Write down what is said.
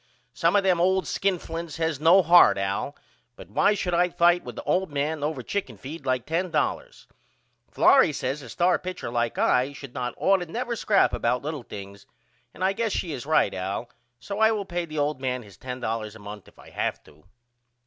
Some of them old skinflints has no heart Al but why should I fight with a old man over chicken feed like $10? Florrie says a star pitcher like I should not ought never to scrap about little things and I guess she is right Al so I will pay the old man his $10 a month if I have to.